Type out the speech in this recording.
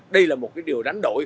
đây là một điều đánh đổi